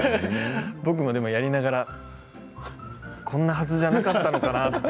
僕もやりながらこんなはずじゃなかったのかなと。